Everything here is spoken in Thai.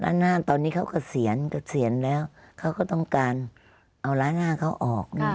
ล้านห้าตอนนี้เขาก็เสียนก็เสียนแล้วเขาก็ต้องการเอาร้านห้าเขาออกค่ะ